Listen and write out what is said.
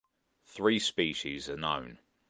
Three species are known.